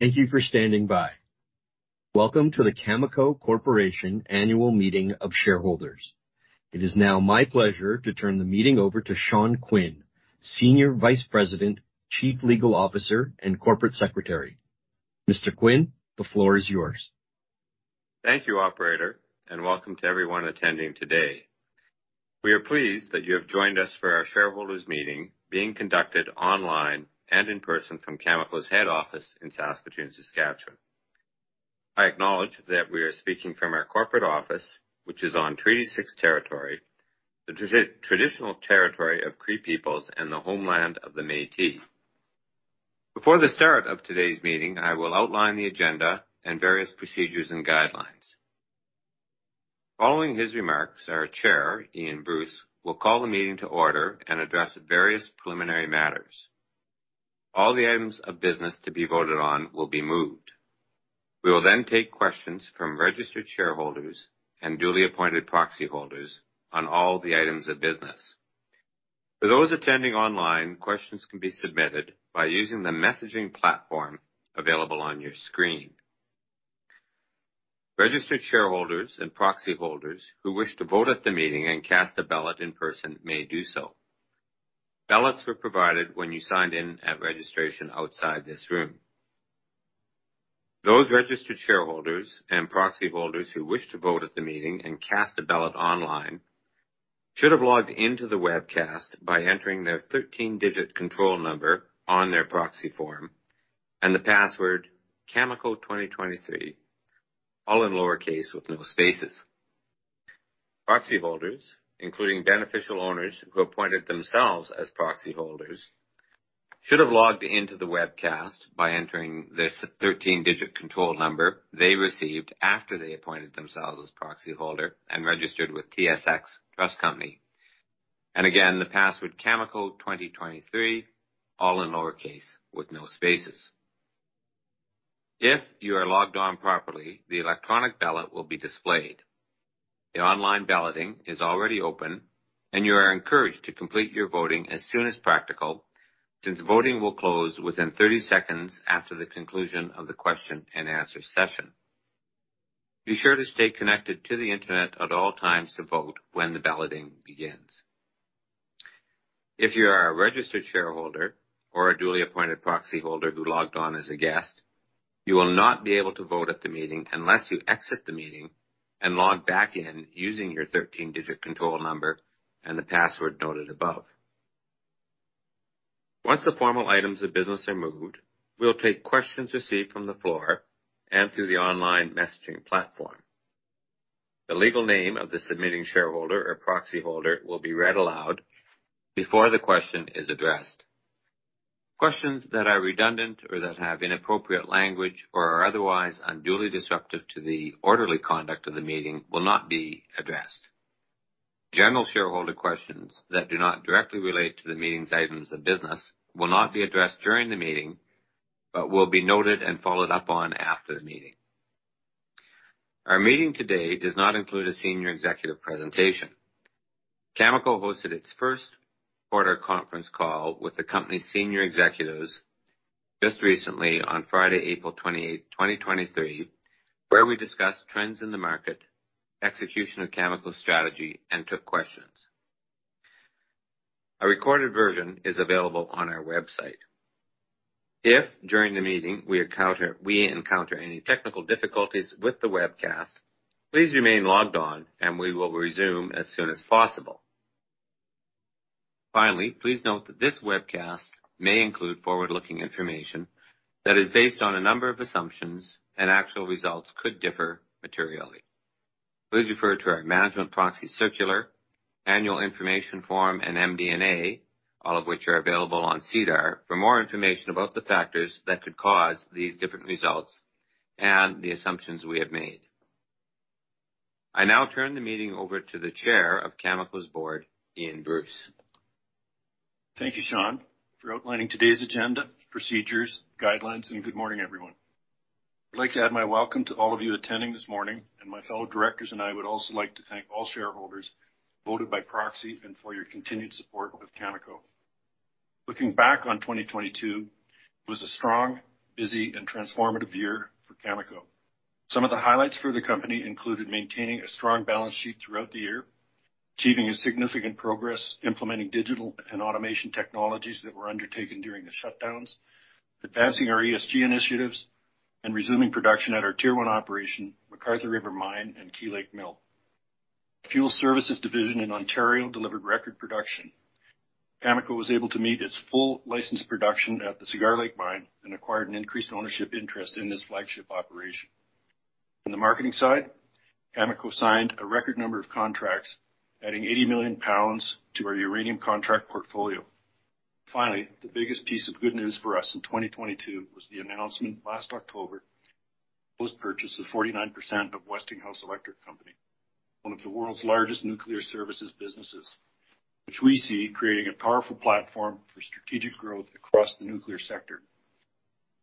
Thank you for standing by. Welcome to the Cameco Corporation Annual Meeting Of Shareholders. It is now my pleasure to turn the meeting over to Sean Quinn, Senior Vice President, Chief Legal Officer, and Corporate Secretary. Mr. Quinn, the floor is yours. Thank you, operator. Welcome to everyone attending today. We are pleased that you have joined us for our shareholders meeting being conducted online and in person from Cameco's head office in Saskatoon, Saskatchewan. I acknowledge that we are speaking from our corporate office, which is on Treaty 6 Territory, the traditional territory of Cree peoples and the homeland of the Métis. Before the start of today's meeting, I will outline the agenda and various procedures and guidelines. Following his remarks, our chair, Ian Bruce, will call the meeting to order and address various preliminary matters. All the items of business to be voted on will be moved. We will take questions from registered shareholders and duly appointed proxy holders on all the items of business. For those attending online, questions can be submitted by using the messaging platform available on your screen. Registered shareholders and proxy holders who wish to vote at the meeting and cast a ballot in person may do so. Ballots were provided when you signed in at registration outside this room. Those registered shareholders and proxy holders who wish to vote at the meeting and cast a ballot online should have logged into the webcast by entering their 13-digit control number on their proxy form and the password, cameco2023, all in lowercase with no spaces. Proxy holders, including beneficial owners who appointed themselves as proxy holders, should have logged into the webcast by entering this 13-digit control number they received after they appointed themselves as proxy holder and registered with TSX Trust Company. Again, the password, cameco2023, all in lowercase with no spaces. If you are logged on properly, the electronic ballot will be displayed. The online balloting is already open, and you are encouraged to complete your voting as soon as practical, since voting will close within 30 seconds after the conclusion of the question and answer session. Be sure to stay connected to the internet at all times to vote when the balloting begins. If you are a registered shareholder or a duly appointed proxy holder who logged on as a guest, you will not be able to vote at the meeting unless you exit the meeting and log back in using your 13-digit control number and the password noted above. Once the formal items of business are moved, we'll take questions received from the floor and through the online messaging platform. The legal name of the submitting shareholder or proxy holder will be read aloud before the question is addressed. Questions that are redundant or that have inappropriate language or are otherwise unduly disruptive to the orderly conduct of the meeting will not be addressed. General shareholder questions that do not directly relate to the meeting's items of business will not be addressed during the meeting, but will be noted and followed up on after the meeting. Our meeting today does not include a senior executive presentation. Cameco hosted its first quarter conference call with the company's senior executives just recently on Friday, April 28, 2023, where we discussed trends in the market, execution of Cameco's strategy, and took questions. A recorded version is available on our website. If, during the meeting, we encounter any technical difficulties with the webcast, please remain logged on and we will resume as soon as possible. Finally, please note that this webcast may include forward-looking information that is based on a number of assumptions and actual results could differ materially. Please refer to our management proxy circular, annual information form, and MD&A, all of which are available on SEDAR for more information about the factors that could cause these different results and the assumptions we have made. I now turn the meeting over to the chair of Cameco's board, Ian Bruce. Thank you, Sean, for outlining today's agenda, procedures, guidelines, and good morning, everyone. I'd like to add my welcome to all of you attending this morning, and my fellow directors and I would also like to thank all shareholders who voted by proxy and for your continued support of Cameco. Looking back on 2022, it was a strong, busy and transformative year for Cameco. Some of the highlights for the company included maintaining a strong balance sheet throughout the year, achieving significant progress implementing digital and automation technologies that were undertaken during the shutdowns, advancing our ESG initiatives, and resuming production at our tier one operation, McArthur River Mine, and Key Lake Mill. Fuel services division in Ontario delivered record production. Cameco was able to meet its full licensed production at the Cigar Lake mine and acquired an increased ownership interest in this flagship operation. On the marketing side, Cameco signed a record number of contracts, adding 80 million pounds to our uranium contract portfolio. Finally, the biggest piece of good news for us in 2022 was the announcement last October of purchase of 49% of Westinghouse Electric Company, one of the world's largest nuclear services businesses, which we see creating a powerful platform for strategic growth across the nuclear sector.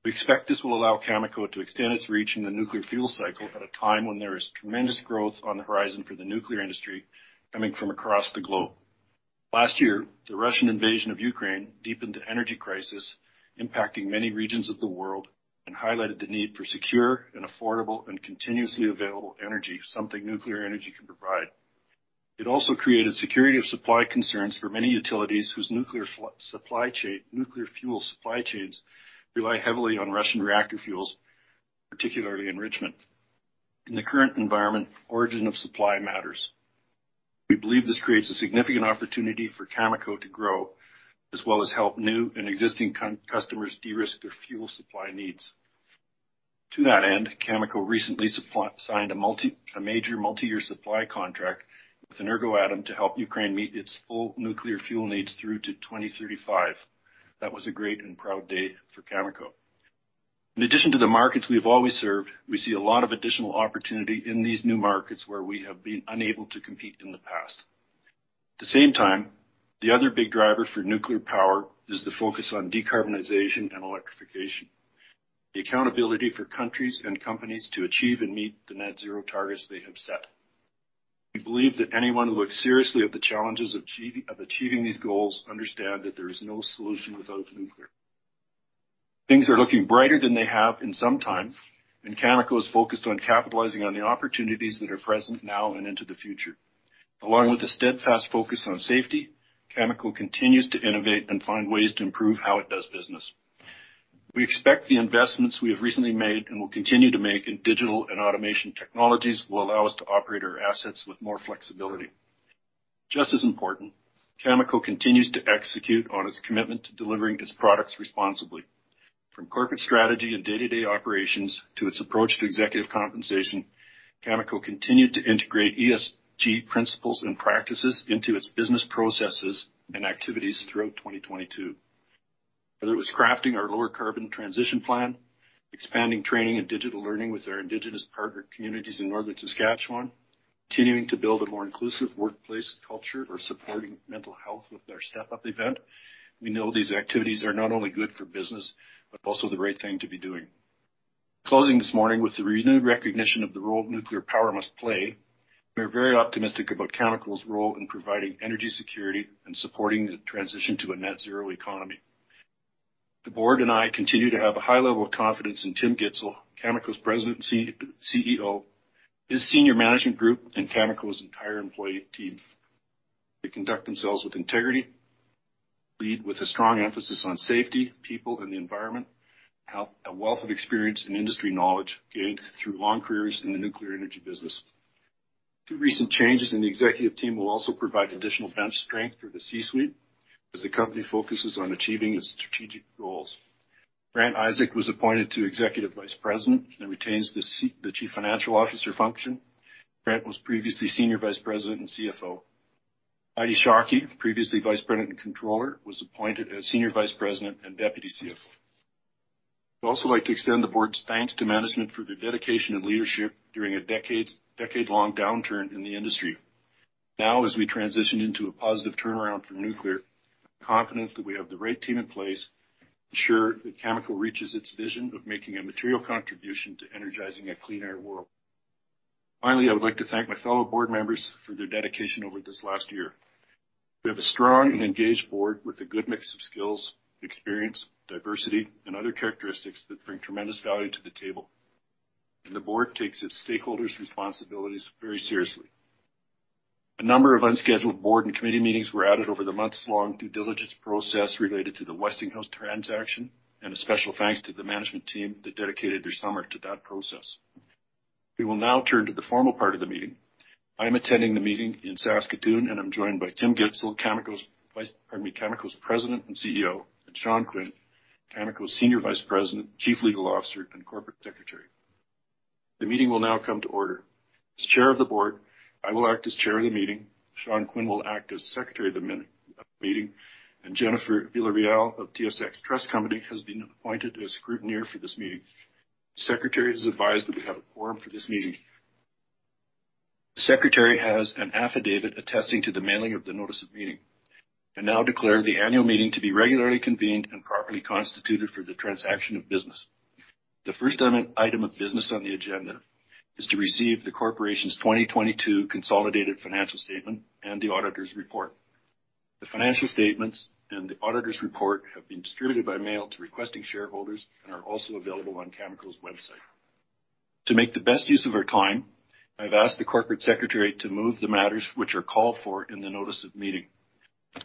We expect this will allow Cameco to extend its reach in the nuclear fuel cycle at a time when there is tremendous growth on the horizon for the nuclear industry coming from across the globe. Last year, the Russian invasion of Ukraine deepened the energy crisis, impacting many regions of the world and highlighted the need for secure and affordable and continuously available energy, something nuclear energy can provide. It also created security of supply concerns for many utilities whose nuclear fuel supply chains rely heavily on Russian reactor fuels, particularly enrichment. In the current environment, origin of supply matters. We believe this creates a significant opportunity for Cameco to grow, as well as help new and existing customers de-risk their fuel supply needs. To that end, Cameco recently signed a major multi-year supply contract with Energoatom to help Ukraine meet its full nuclear fuel needs through to 2035. That was a great and proud day for Cameco. In addition to the markets we have always served, we see a lot of additional opportunity in these new markets where we have been unable to compete in the past. At the same time, the other big driver for nuclear power is the focus on decarbonization and electrification, the accountability for countries and companies to achieve and meet the net zero targets they have set. We believe that anyone who looks seriously at the challenges of of achieving these goals understand that there is no solution without nuclear. Things are looking brighter than they have in some time. Cameco is focused on capitalizing on the opportunities that are present now and into the future. Along with a steadfast focus on safety, Cameco continues to innovate and find ways to improve how it does business. We expect the investments we have recently made and will continue to make in digital and automation technologies will allow us to operate our assets with more flexibility. Just as important, Cameco continues to execute on its commitment to delivering its products responsibly. From corporate strategy and day-to-day operations to its approach to executive compensation, Cameco continued to integrate ESG principles and practices into its business processes and activities throughout 2022. Whether it was crafting our lower carbon transition plan, expanding training and digital learning with our indigenous partner communities in northern Saskatchewan, continuing to build a more inclusive workplace culture or supporting mental health with our Step-Up event, we know these activities are not only good for business but also the right thing to be doing. Closing this morning with the renewed recognition of the role nuclear power must play, we are very optimistic about Cameco's role in providing energy security and supporting the transition to a net zero economy. The board and I continue to have a high level of confidence in Tim Gitzel, Cameco's CEO, his senior management group, and Cameco's entire employee team. They conduct themselves with integrity, lead with a strong emphasis on safety, people, and the environment, have a wealth of experience and industry knowledge gained through long careers in the nuclear energy business. Two recent changes in the executive team will also provide additional bench strength for the C-suite as the company focuses on achieving its strategic goals. Grant Isaac was appointed to Executive Vice President and retains the Chief Financial Officer function. Grant was previously Senior Vice President and CFO. Heidi Shockey, previously Vice President and Controller, was appointed as Senior Vice President and Deputy CFO. We'd also like to extend the board's thanks to management for their dedication and leadership during a decade-long downturn in the industry. Now, as we transition into a positive turnaround for nuclear, I'm confident that we have the right team in place to ensure that Cameco reaches its vision of making a material contribution to energizing a cleaner world. Finally, I would like to thank my fellow board members for their dedication over this last year. We have a strong and engaged board with a good mix of skills, experience, diversity, and other characteristics that bring tremendous value to the table, and the board takes its stakeholders' responsibilities very seriously. A number of unscheduled board and committee meetings were added over the months-long due diligence process related to the Westinghouse transaction, and a special thanks to the management team that dedicated their summer to that process. We will now turn to the formal part of the meeting. I'm attending the meeting in Saskatoon, and I'm joined by Tim Gitzel, Cameco's President and CEO, and Sean Quinn, Cameco's Senior Vice President, Chief Legal Officer, and Corporate Secretary. The meeting will now come to order. As Chair of the Board, I will act as Chair of the meeting, Sean Quinn will act as Secretary of the meeting, and Jennifer Villareal of TSX Trust Company has been appointed as scrutineer for this meeting. The Secretary has advised that we have a quorum for this meeting. The Secretary has an affidavit attesting to the mailing of the notice of meeting. I now declare the annual meeting to be regularly convened and properly constituted for the transaction of business. The first item of business on the agenda is to receive the corporation's 2022 consolidated financial statement and the auditor's report. The financial statements and the auditor's report have been distributed by mail to requesting shareholders and are also available on Cameco's website. To make the best use of our time, I've asked the corporate secretary to move the matters which are called for in the notice of meeting.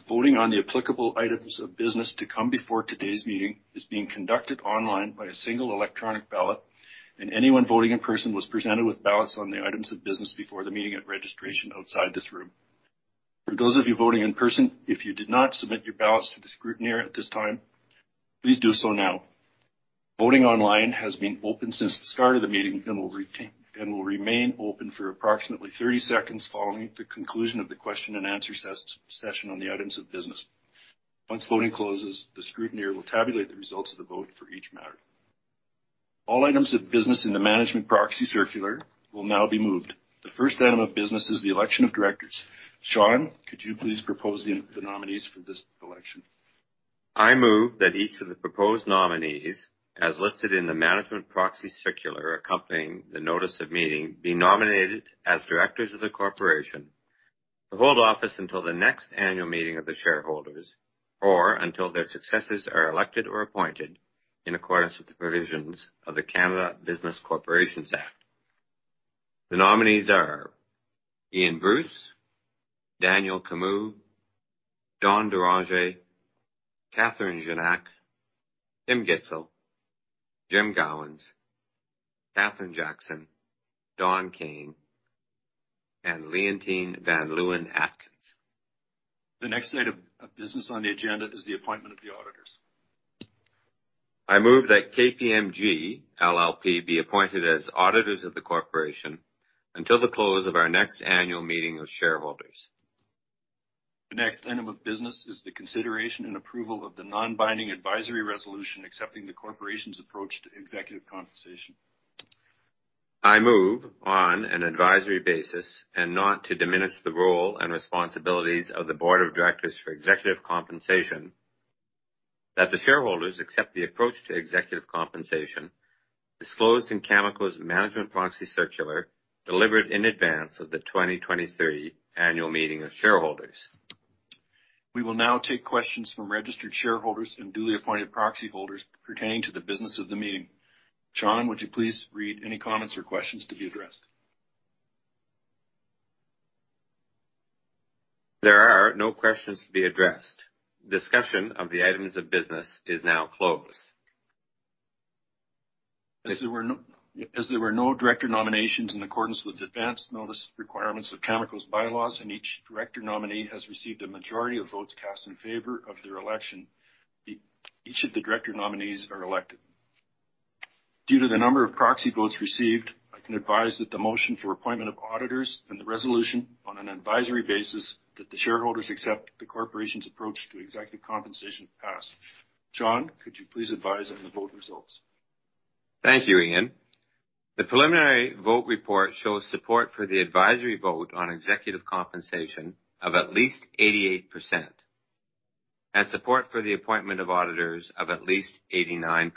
Voting on the applicable items of business to come before today's meeting is being conducted online by a single electronic ballot, and anyone voting in person was presented with ballots on the items of business before the meeting at registration outside this room. For those of you voting in person, if you did not submit your ballots to the scrutineer at this time, please do so now. Voting online has been open since the start of the meeting and will remain open for approximately 30 seconds following the conclusion of the question and answer session on the items of business. Once voting closes, the scrutineer will tabulate the results of the vote for each matter. All items of business in the Management Proxy Circular will now be moved. The first item of business is the election of directors. Sean, could you please propose the nominees for this election? I move that each of the proposed nominees, as listed in the management proxy circular accompanying the notice of meeting, be nominated as directors of the corporation to hold office until the next annual meeting of the shareholders, or until their successors are elected or appointed in accordance with the provisions of the Canada Business Corporations Act. The nominees are Ian Bruce, Daniel Camus, Don Deranger, Catherine Gignac, Tim Gitzel, Jim Gowans, Kathryn Jackson, Don Kayne, and Leontine van Leeuwen-Atkins. The next item of business on the agenda is the appointment of the auditors. I move that KPMG LLP be appointed as auditors of the corporation until the close of our next annual meeting of shareholders. The next item of business is the consideration and approval of the non-binding advisory resolution accepting the corporation's approach to executive compensation. I move on an advisory basis and not to diminish the role and responsibilities of the board of directors for executive compensation, that the shareholders accept the approach to executive compensation disclosed in Cameco's management proxy circular, delivered in advance of the 2023 annual meeting of shareholders. We will now take questions from registered shareholders and duly appointed proxy holders pertaining to the business of the meeting. Sean, would you please read any comments or questions to be addressed? There are no questions to be addressed. Discussion of the items of business is now closed. As there were no director nominations in accordance with advanced notice requirements of Cameco's bylaws. Each director nominee has received a majority of votes cast in favor of their election, each of the director nominees are elected. Due to the number of proxy votes received, I can advise that the motion for appointment of auditors and the resolution on an advisory basis that the shareholders accept the corporation's approach to executive compensation passed. Sean, could you please advise on the vote results? Thank you, Ian. The preliminary vote report shows support for the advisory vote on executive compensation of at least 88%, and support for the appointment of auditors of at least 89%.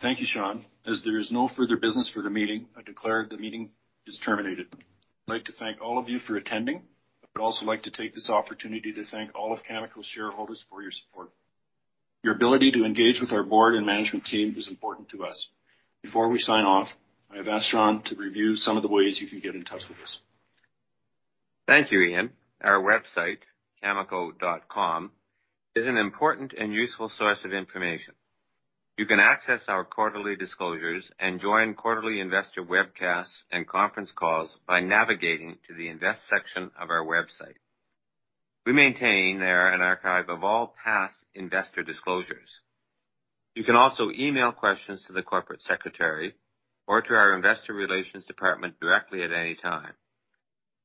Thank you, Sean. As there is no further business for the meeting, I declare the meeting is terminated. I'd like to thank all of you for attending. I would also like to take this opportunity to thank all of Cameco's shareholders for your support. Your ability to engage with our board and management team is important to us. Before we sign off, I have asked Sean to review some of the ways you can get in touch with us. Thank you, Ian. Our website, cameco.com, is an important and useful source of information. You can access our quarterly disclosures and join quarterly investor webcasts and conference calls by navigating to the invest section of our website. We maintain there an archive of all past investor disclosures. You can also email questions to the corporate secretary or to our investor relations department directly at any time.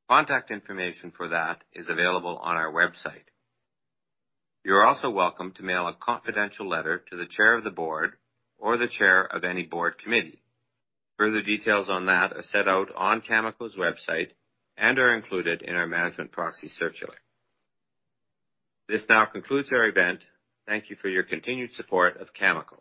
Contact information for that is available on our website. You're also welcome to mail a confidential letter to the chair of the board or the chair of any board committee. Further details on that are set out on Cameco's website and are included in our management proxy circular. This now concludes our event. Thank you for your continued support of Cameco.